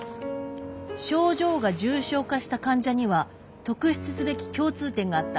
「症状が重症化した患者には特筆すべき共通点があった。